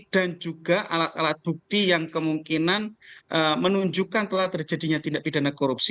dan juga alat alat bukti yang kemungkinan menunjukkan telah terjadinya tindak pidana korupsi